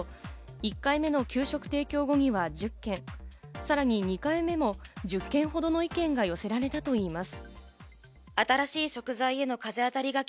１回目の給食提供後には１０件、さらに２回目も１０件ほどの意見が寄せられたといいます。